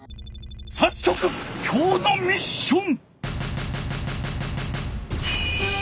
さっそくきょうのミッション！